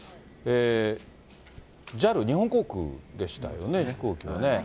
ＪＡＬ、日本航空でしたよね、飛行機はね。